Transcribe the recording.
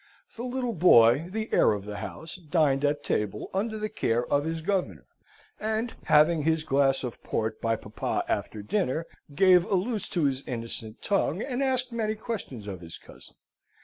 The little boy, the heir of the house, dined at table, under the care of his governor; and, having his glass of port by papa after dinner, gave a loose to his innocent tongue, and asked many questions of his cousin.